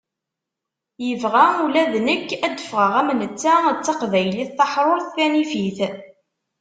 Yebɣa ula d nekk ad d-ffɣeɣ am netta d taqbaylit taḥrurt tanifit.